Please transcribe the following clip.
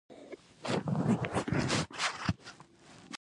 د هر کس لپاره د انګېزې لامل توپیر لري.